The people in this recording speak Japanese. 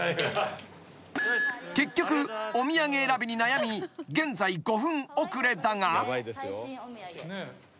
［結局お土産選びに悩み現在５分遅れだが］